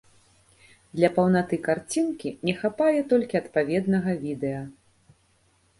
Для паўнаты карцінкі не хапае толькі адпаведнага відэа.